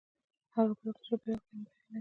هغه په دغه چاپېريال کې هم بريالی شو.